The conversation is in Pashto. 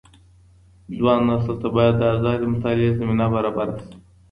ځوان نسل ته بايد د ازادي مطالعې زمينه برابره سي.